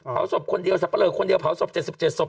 เผาศพคนเดียวสับปะเลอคนเดียวเผาศพ๗๗ศพ